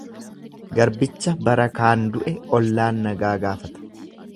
Garbicha bara kaan du'e ollaan nagaa gaafata.